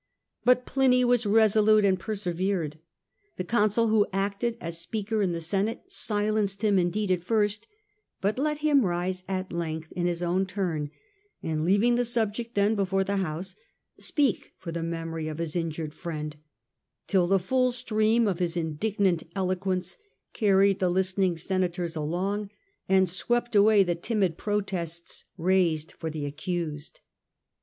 But Pliny was resolute and persevered. The consul, who acted as Speaker in the senate, silenced him indeed at first, but let him rise at length in his own turn, and, leaving the subject then before the house, speak for the mernory of his injured friend, till the full stream of his indignant eloquence carried the listening senators along, and swept away the timid protests raised for the accused.